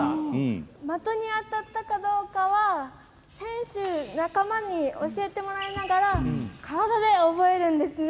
的に当たったかどうかは選手、仲間に教えてもらいながら体で覚えるんですね。